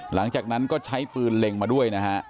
หลังจากนั้นก็ใช้ปืนเล็งมาด้วยนะฮะ